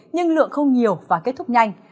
nhưng lượng không nhiều và kết thúc nhanh